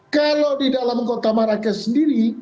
kalau di dalam kota marrakesh sendiri